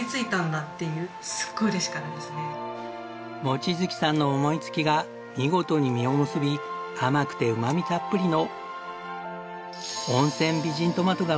望月さんの思いつきが見事に実を結び甘くてうま味たっぷりの。